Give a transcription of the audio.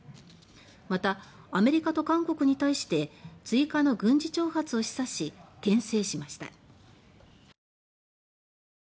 またアメリカと韓国に対して追加の軍事挑発を示唆しけん制しました。